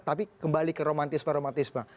tapi kembali ke romantisma romantisma